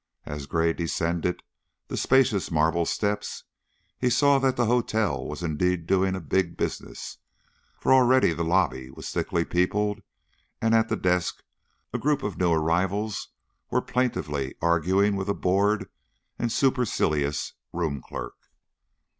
As Gray descended the spacious marble steps, he saw that the hotel was indeed doing a big business, for already the lobby was thickly peopled and at the desk a group of new arrivals were plaintively arguing with a bored and supercilious room clerk.